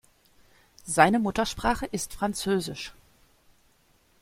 Seine Muttersprache ist Französisch.